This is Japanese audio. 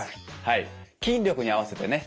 筋力に合わせてね